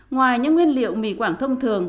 ngoài những nguyên liệu mì quảng thông thường